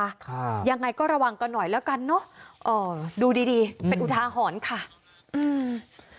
ค่ะยังไงก็ระวังกันหน่อยแล้วกันเนอะเอ่อดูดีดีเป็นอุทาหรณ์ค่ะอืม